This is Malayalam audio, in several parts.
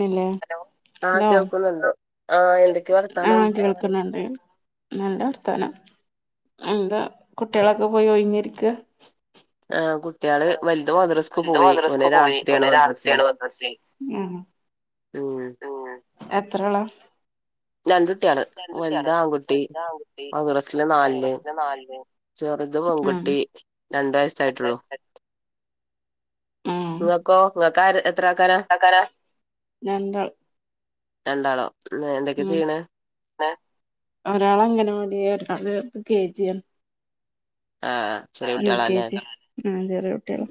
ഹലോ ആഹ് ഹലോ കേൾക്കുന്നുണ്ട് ആഹ് എന്തൊക്കെയ വർത്താനം ആഹ് കേൾക്കുന്നുണ്ട് നല്ല വർത്താനം എന്താ കുട്ടികളൊക്കെ പോയി ഒഴിഞ്ഞിരിക്ക? ആഹ് കുട്ടികള് വലുത് മദ്രസ്ക്ക് വലുത് പോയി ഓന് മദ്രസക്ക് പോയി രാത്രിയാണ് ഓന് മദ്രസെ രാത്രിയാണ് മദ്രസെയ്‌ ഉം ഉം എത്രളാ? രണ്ടുട്ടിയാള് കുട്ട്യാള് വൽദാൺകുട്ടി വലുത് ആൺകുട്ടി മദ്റസില് നാലിൽ മദ്രസില് നാലില് ചെറുത് ആഹ് പെൺകുട്ടി രണ്ടു വയസ്സായിട്ടുള്ളു നിങ്ങക്കോ നിങ്ങൾക്കാര ക്കാരാ? രണ്ടാള് രണ്ടാളോ ഉം എന്തൊക്കെ ചെയ്യ്ണെ? ഒരാളങ്ങനവാടീല ഒരാള് കെ ജി യാ ആഹ് ചെറിയ കുട്ടിയാളാല്ലേ ജി ആഹ് ചെറിയ കുട്ട്യാളാ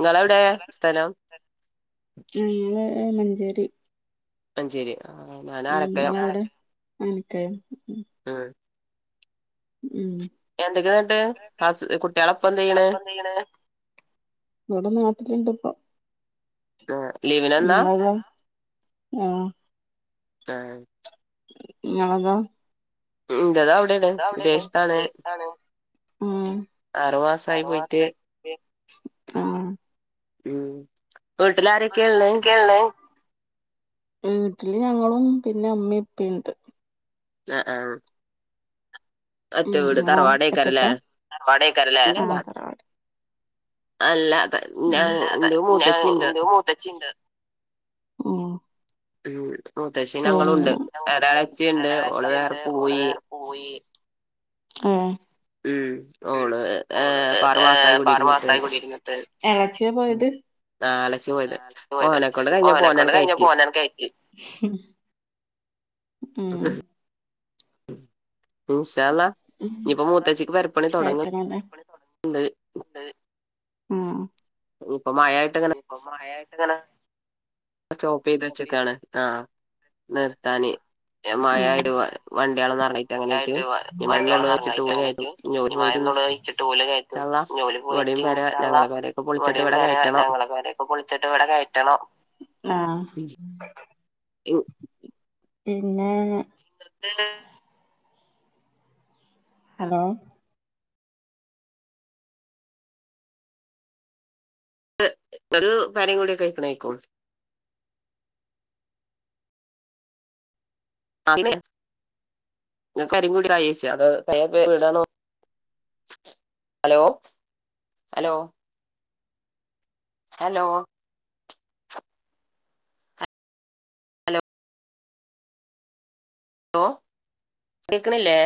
ങ്ങളെവിടെയാ സ്ഥലം ഞങ്ങള് മഞ്ചേരി മഞ്ചേരി ഞാൻ ആലക്കയം ങ്ങളെവടെ? ആനക്കയം ആ ഉം എന്തൊക്കെയ ന്നട്ട് ഹ കുട്ടികളപ്പ എന്ത് ചെയ്യണ്? വടെ നാട്ടില്ണ്ട്പ്പ ആ ലീവ്നന്നാ? ആ ആ നിങ്ങളതോ? ഇഞ്ചതവിടേണ് വിദേശത്താണ് ഉം ആറു ആറു പോയിട്ട് മാസായി ക്ക് ണ് ആ ഉം വീട്ടിലാരൊക്കെയാ ഉള്ളേ വീട്ട്ലാരൊക്കെയള്ളേ ഉം ട്ടില് ഞങ്ങളും പിന്നെ മ്മിപ്പിണ്ട് അ ആ മ്മ് ങ്ങളൊ ഒറ്റക്ക? തറവാടേക്കാരല്ലേ ഇല്ലല്ല അല്ല ഞ അല്ലാതെ ന്റെ ഞാൻ മൂത്തച്ചിണ്ട്‌ ഇന്റെ മൂത്തച്ചിണ്ട് ഉം ഉം മൂത്തച്ചി ഞങ്ങളുണ്ട് പിന്നെ ഞങ്ങളുണ്ട് ഒരെളച്ചിണ്ട് ഓള് വേറെ പോയി ഏ ഉം ഓള് ഏഹ് ഇപ്പ ആറു മാസായി പ്പാറു കുടിയിരുന്നിട്ട് മാസായി കുടിര്ന്നിട്ട് ഇളച്ചിയാ പോയത്? ആളച്ചിയാ പോയത് പോയത് ഓലക്കൊണ്ട് ഓനെക്കൊണ്ട് കഴിഞ്ഞപ്പോലണ് കഴിഞ്ഞപ്പോ കെയറ്റി ഓനാണ് കയറ്റി ഉം ഇന്ഷാഅല്ലാഹ് ഞ്ഞിപ്പോ മൂത്തച്ചിക്ക് പെരപ്പണി കഴിക്കണല്ലേ തൊടങ്ങണ്ട് ഉം ഇപ്പൊ മഴായിട്ട്ങ്ങനെ ങ്ങനെ സ്റ്റോപ്പ് ചെയ്ത് വെച്ച്ക്കാണ് ആ ചെയ്തിട്ടാണ് നിർത്താനേ ഉം മഴയായി വണ്ടിയാളൊന്നർങ്ങായ്ട്ട് അങ്ങനയ്ട്ട് മഴയായിട്ട് [unintelligible] വണ്ടികളൊന്നും വെച്ചിട്ട് ഇറങ്ങായിട്ട് അങ്ങനെയിട്ട് പോ ഈ പോയി മഴ ഒന്നുകൂടെ ഒഴിച്ചിട്ട് ഓല് കയറ്റും ഇന്ശാല്ലാഹ് ജോലി വടിം പോയിട്ട് പെര ഇൻഷാള്ള ഞങ്ങളെ പെരൊക്കെ പൊളിച്ചിട്ട് ഇവിടെ കയറ്റണം ച്ചിട്ട് ഇവിടെ കയറ്റണം ആ ഉം [inaudible] പിന്നെ- ഹലോ- [inaudible] [inaudible] വിടണോ hello hello - hello hello hello കേക്കണില്ലേ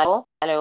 ആ ഹലോ